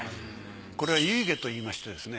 これは遺偈といいましてですね